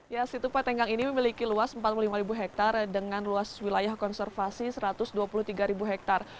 ya situpa tenggang ini memiliki luas empat puluh lima hektare dengan luas wilayah konservasi satu ratus dua puluh tiga hektare